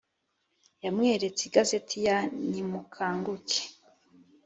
yamweretse igazeti ya nimukanguke .